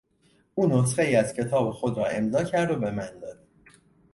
او نسخهای از کتاب خود را امضا کرد و به من داد.